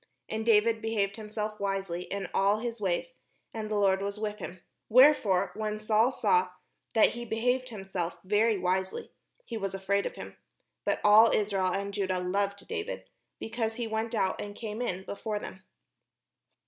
And David behaved himself wisely in all his ways; and the Lord was with him. Wherefore when Saul saw that he behaved himself very wisely, he was afraid of him. But all Israel and Judah loved David, because he went out and came in before them.